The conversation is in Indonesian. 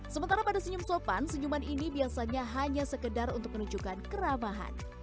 sementara pada senyum sopan senyuman ini biasanya hanya sekedar untuk menunjukkan keramahan